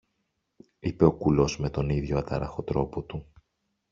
είπε ο κουλός με τον ίδιο ατάραχο τρόπο του